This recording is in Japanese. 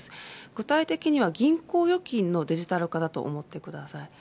具体的には銀行預金のデジタル化だと思ってください。